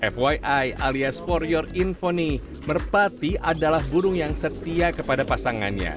fyi alias for your infoni merpati adalah burung yang setia kepada pasangannya